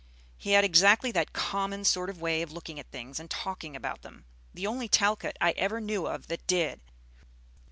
He had exactly that common sort of way of looking at things and talking about them, the only Talcott I ever knew of that did!